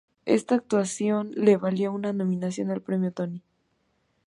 Esta actuación le valió una nominación al Premio Tony.